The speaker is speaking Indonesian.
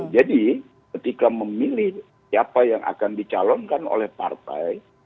jadi ketika memilih siapa yang akan dicalonkan oleh partai